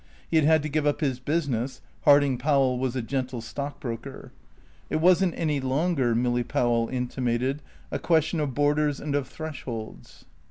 He had had to give up his business (Harding Powell was a gentle stockbroker). It wasn't any longer, Milly Powell intimated, a question of borders and of thresholds.